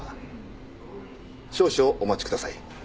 少々お待ちください。